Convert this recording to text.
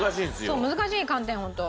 そう難しい寒天ホント。